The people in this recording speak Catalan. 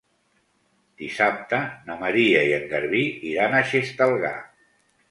Dissabte na Maria i en Garbí iran a Xestalgar.